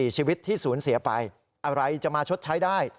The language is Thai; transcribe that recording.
ชีวิตที่สูญเสียไปอะไรจะมาชดใช้ได้